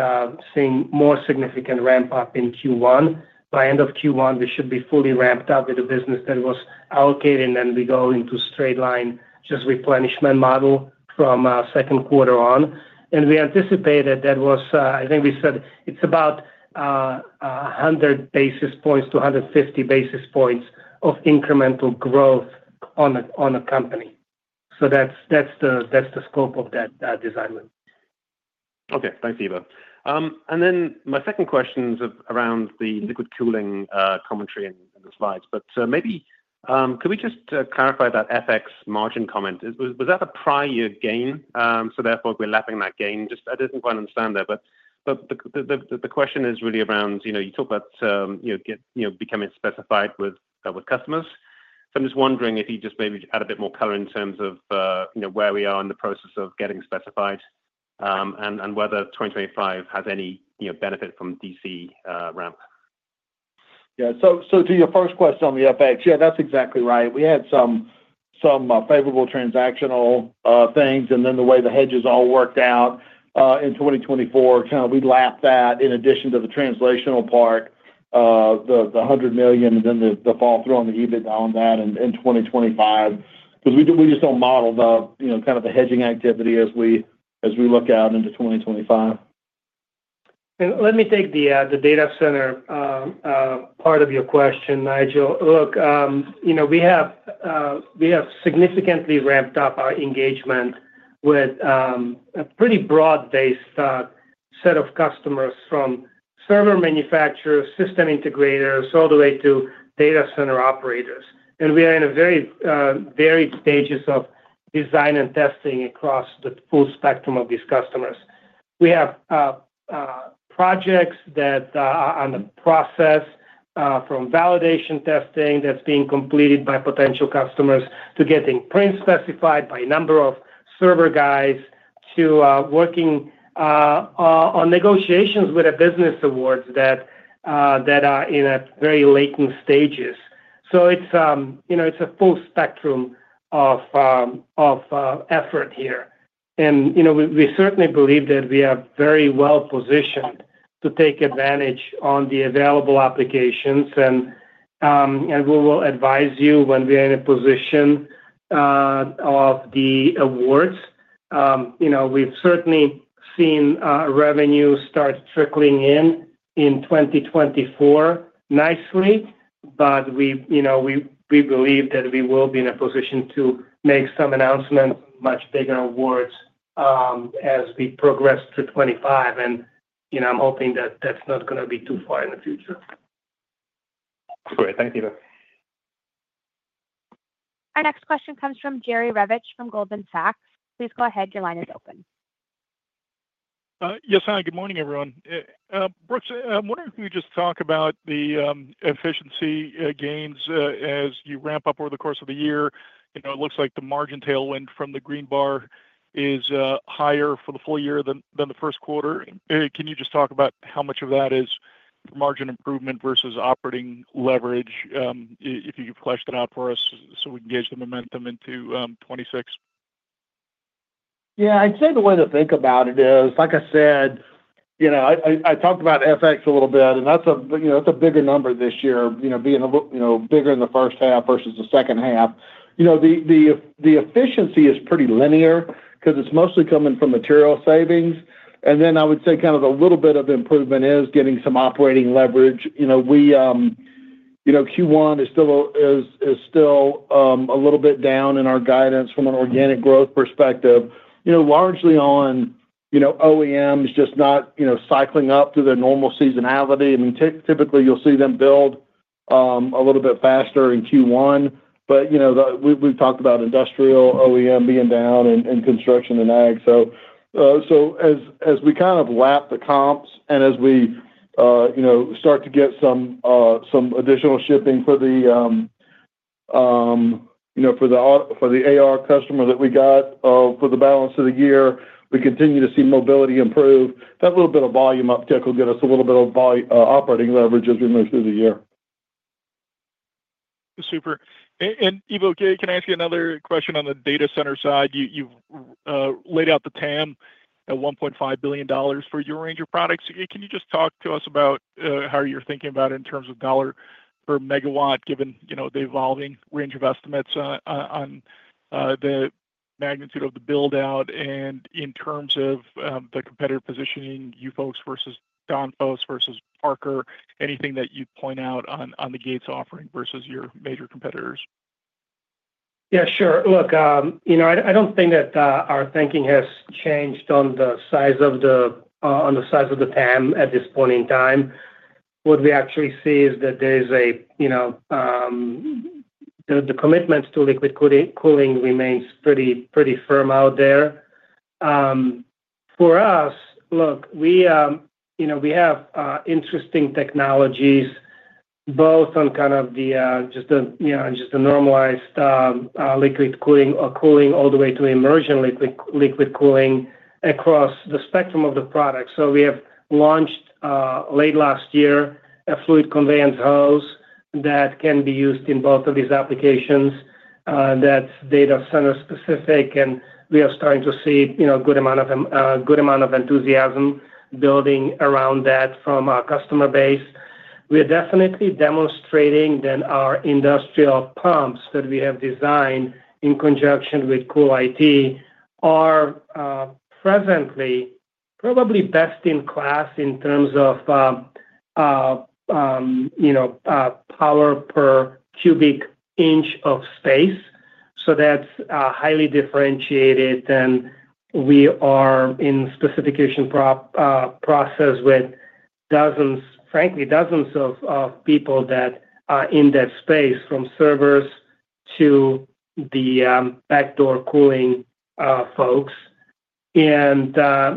S3: seeing more significant ramp-up in Q1. By end of Q1, we should be fully ramped up with the business that was allocated, and then we go into straight-line just replenishment model from Q2 on. And we anticipated that was, I think we said, it's about 100-150 basis points of incremental growth on a company. So that's the scope of that design.
S11: Okay. Thanks, Ivo. And then my second question is around the liquid cooling commentary and the slides. But maybe could we just clarify that FX margin comment? Was that a prior gain? So therefore, we're lapping that gain. I didn't quite understand that. But the question is really around you talk about becoming specified with customers. So I'm just wondering if you just maybe add a bit more color in terms of where we are in the process of getting specified and whether 2025 has any benefit from DC ramp.
S3: Yeah. So to your first question on the FX, yeah, that's exactly right. We had some favorable transactional things, and then the way the hedges all worked out in 2024, kind of we lapped that in addition to the translational part, the $100 million, and then the flow-through on the EBITDA on that in 2025. Because we just don't model the kind of the hedging activity as we look out into 2025. And let me take the data center part of your question, Nigel. Look, we have significantly ramped up our engagement with a pretty broad-based set of customers from server manufacturers, system integrators, all the way to data center operators. And we are in very varied stages of design and testing across the full spectrum of these customers. We have projects that are in the process from validation testing that's being completed by potential customers to getting print specified by a number of server guys to working on negotiations with business awards that are in very late stages, so it's a full spectrum of effort here. And we certainly believe that we are very well positioned to take advantage of the available applications, and we will advise you when we are in a position of the awards, we've certainly seen revenue start trickling in in 2024 nicely, but we believe that we will be in a position to make some announcements, much bigger awards as we progress through 2025, and I'm hoping that that's not going to be too far in the future.
S11: Great. Thanks, Ivo.
S1: Our next question comes from Jerry Revich from Goldman Sachs. Please go ahead. Your line is open.
S8: Yes, hi. Good morning, everyone. Brooks, I'm wondering if you could just talk about the efficiency gains as you ramp up over the course of the year. It looks like the margin tailwind from the green bar is higher for the full year than the Q1. Can you just talk about how much of that is margin improvement versus operating leverage, if you could flesh that out for us so we can gauge the momentum into 2026?
S4: Yeah. I'd say the way to think about it is, like I said, I talked about FX a little bit, and that's a bigger number this year, being bigger in the first half versus the second half. The efficiency is pretty linear because it's mostly coming from material savings. And then I would say kind of a little bit of improvement is getting some operating leverage. Q1 is still a little bit down in our guidance from an organic growth perspective, largely on OEMs just not cycling up to their normal seasonality. I mean, typically, you'll see them build a little bit faster in Q1. But we've talked about industrial OEM being down and construction and ag. So as we kind of lap the comps and as we start to get some additional shipping for the AR customer that we got for the balance of the year, we continue to see mobility improve. That little bit of volume uptick will get us a little bit of operating leverage as we move through the year.
S8: Super. And Ivo, can I ask you another question on the data center side? You've laid out the TAM at $1.5 billion for your range of products. Can you just talk to us about how you're thinking about it in terms of dollar per megawatt, given the evolving range of estimates on the magnitude of the build-out and in terms of the competitive positioning, you folks versus Danfoss versus Parker, anything that you'd point out on the Gates offering versus your major competitors?
S3: Yeah, sure. Look, I don't think that our thinking has changed on the size of the TAM at this point in time. What we actually see is that there is the commitment to liquid cooling remains pretty firm out there. For us, look, we have interesting technologies both on kind of just the normalized liquid cooling or cooling all the way to immersion liquid cooling across the spectrum of the products. So we have launched late last year a fluid conveyance hose that can be used in both of these applications. That's data center specific, and we are starting to see a good amount of enthusiasm building around that from our customer base. We are definitely demonstrating that our industrial pumps that we have designed in conjunction with CoolIT are presently probably best in class in terms of power per cubic inch of space. So that's highly differentiated, and we are in specification process with, frankly, dozens of people that are in that space from servers to the rear-door cooling folks. And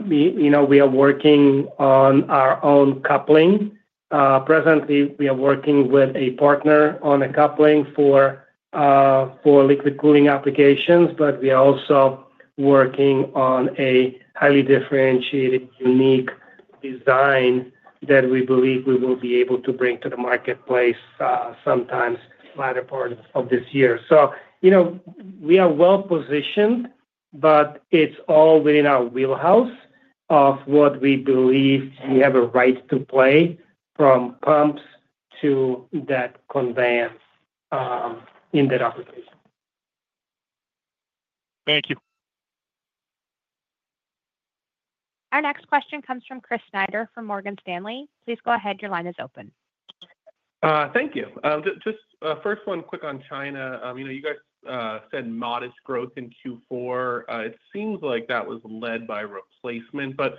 S3: we are working on our own coupling. Presently, we are working with a partner on a coupling for liquid cooling applications, but we are also working on a highly differentiated, unique design that we believe we will be able to bring to the marketplace sometime later part of this year. So we are well positioned, but it's all within our wheelhouse of what we believe we have a right to play from pumps to that conveyance in that application.
S8: Thank you.
S1: Our next question comes from Chris Snyder from Morgan Stanley. Please go ahead. Your line is open.
S12: Thank you. Just first one, quick on China. You guys said modest growth in Q4. It seems like that was led by replacement. But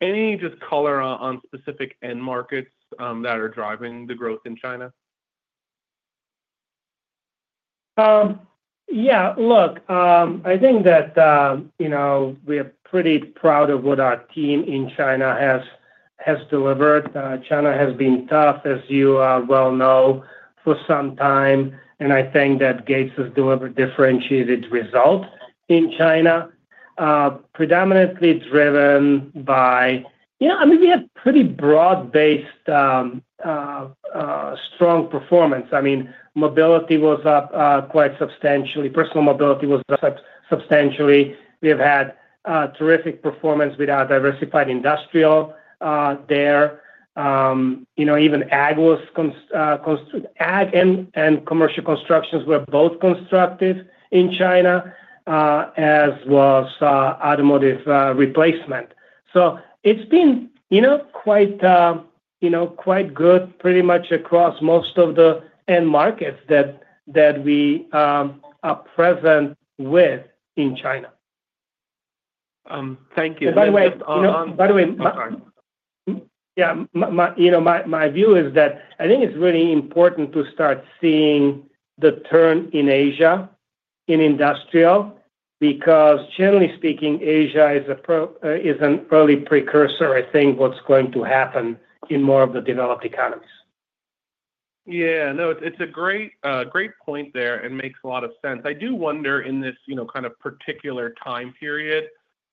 S12: any just color on specific end markets that are driving the growth in China?
S3: Yeah. Look, I think that we are pretty proud of what our team in China has delivered. China has been tough, as you well know, for some time. And I think that Gates has delivered differentiated results in China, predominantly driven by, I mean, we have pretty broad-based strong performance. I mean, mobility was up quite substantially. Personal mobility was up substantially. We have had terrific performance with our diversified industrial there. Even ag and commercial constructions were both constructive in China, as was automotive replacement. So it's been quite good pretty much across most of the end markets that we are present within in China.
S12: Thank you.
S3: And by the way.
S12: Sorry.
S3: Yeah. My view is that I think it's really important to start seeing the turn in Asia in industrial because, generally speaking, Asia is an early precursor, I think, what's going to happen in more of the developed economies.
S12: Yeah. No, it's a great point there and makes a lot of sense. I do wonder in this kind of particular time period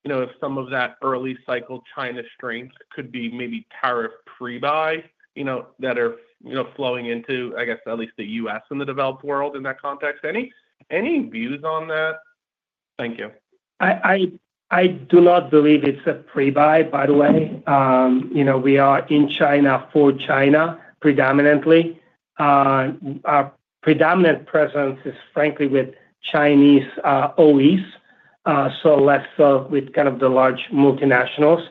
S12: if some of that early cycle China strength could be maybe tariff prebuy that are flowing into, I guess, at least the U.S. and the developed world in that context. Any views on that? Thank you.
S3: I do not believe it's a prebuy, by the way. We are in China for China predominantly. Our predominant presence is, frankly, with Chinese OEs, so less so with kind of the large multinationals.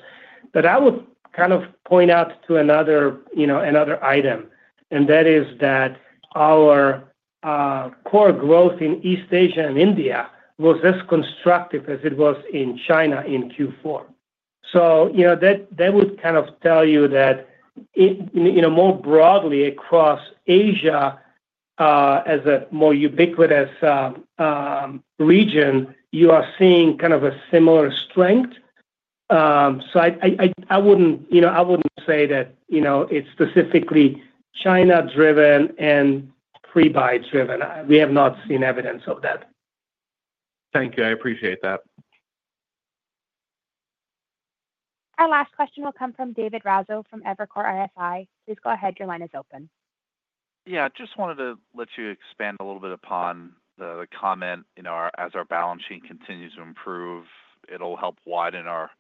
S3: But I would kind of point out to another item, and that is that our core growth in East Asia and India was as constructive as it was in China in Q4. So that would kind of tell you that more broadly across Asia, as a more ubiquitous region, you are seeing kind of a similar strength. So I wouldn't say that it's specifically China-driven and prebuy-driven. We have not seen evidence of that.
S12: Thank you. I appreciate that.
S1: Our last question will come from David Raso from Evercore ISI. Please go ahead. Your line is open.
S13: Yeah. I just wanted to let you expand a little bit upon the comment. As our balance sheet continues to improve, it'll help widen our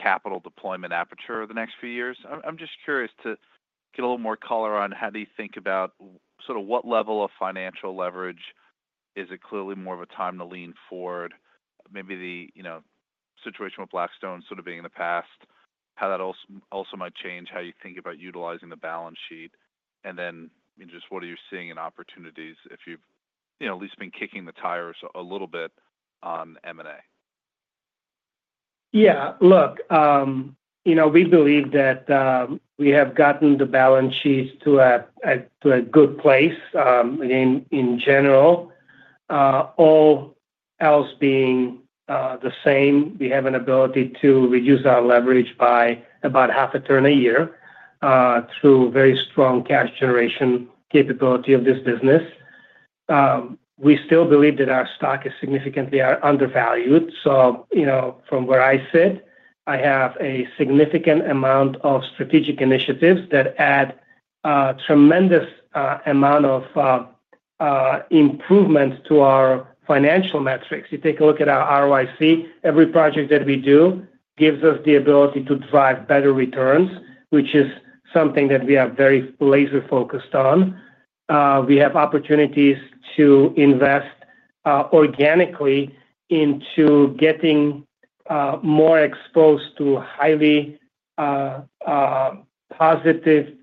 S13: capital deployment aperture the next few years. I'm just curious to get a little more color on how do you think about sort of what level of financial leverage? Is it clearly more of a time to lean forward? Maybe the situation with Blackstone sort of being in the past, how that also might change how you think about utilizing the balance sheet. And then just what are you seeing in opportunities if you've at least been kicking the tires a little bit on M&A?
S3: Yeah. Look, we believe that we have gotten the balance sheets to a good place in general. All else being the same, we have an ability to reduce our leverage by about half a turn a year through very strong cash generation capability of this business. We still believe that our stock is significantly undervalued. So from where I sit, I have a significant amount of strategic initiatives that add a tremendous amount of improvement to our financial metrics. You take a look at our ROIC. Every project that we do gives us the ability to drive better returns, which is something that we are very laser-focused on. We have opportunities to invest organically into getting more exposed to highly positive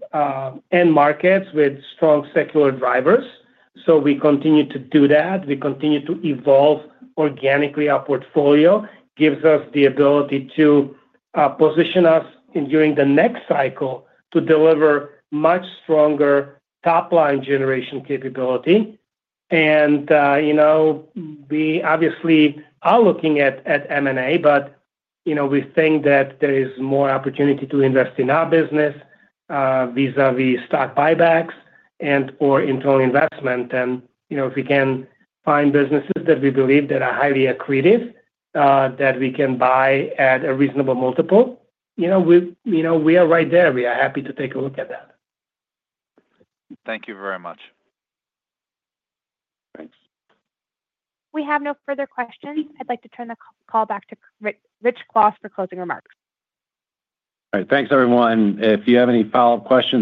S3: end markets with strong secular drivers. So we continue to do that. We continue to evolve organically. Our portfolio gives us the ability to position us during the next cycle to deliver much stronger top-line generation capability. And we obviously are looking at M&A, but we think that there is more opportunity to invest in our business vis-à-vis stock buybacks and/or internal investment. And if we can find businesses that we believe that are highly accretive, that we can buy at a reasonable multiple, we are right there. We are happy to take a look at that.
S13: Thank you very much.
S3: Thanks.
S1: We have no further questions. I'd like to turn the call back to Rich Kwas for closing remarks.
S2: All right. Thanks, everyone. If you have any follow-up questions.